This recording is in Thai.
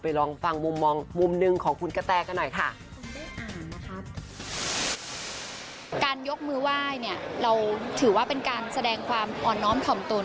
การยกมือไหว้เราถือว่าเป็นการแสดงความอ่อนน้อมของตน